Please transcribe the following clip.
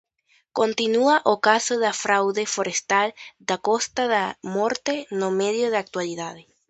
Continúa o caso da fraude forestal da Costa da Morte no medio da actualidade.